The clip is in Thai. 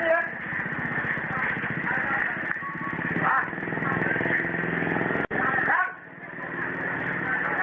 ต้องหลวนเซ้อ่ะวางจากเด็กออกมาส้น